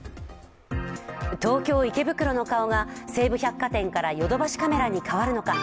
東京・池袋の顔が西武百貨店からヨドバシカメラに変わるのか。